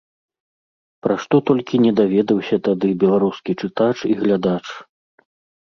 Пра што толькі не даведаўся тады беларускі чытач і глядач!